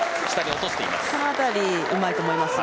この辺りうまいと思いますよ。